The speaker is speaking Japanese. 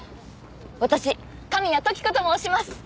私神谷時子と申します！